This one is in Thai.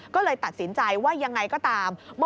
ก็เลยตัดสินใจว่ายังไงก็ตาม